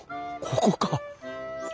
ここか。